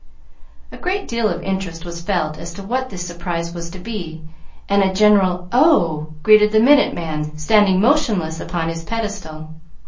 A great deal of interest was felt as to what this surprise was to be, and a general "Oh!" greeted the "Minute Man," standing motionless upon his pedestal.